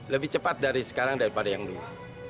lebih cepat dari sekarang daripada yang dulu